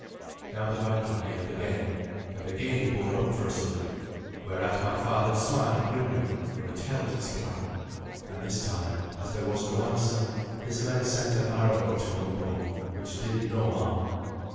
Now the Viking hailed again, and again bore up for us a little, whereat my father smiled grimly, for it helped his plan. And this time, as there was no answer, his men sent an arrow or two on board, which did no harm.